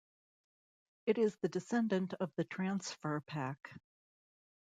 It is the descendant of the Transfer Pak.